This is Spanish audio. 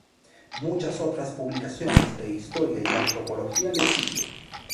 Muchas otras publicaciones de historia y antropología le siguen.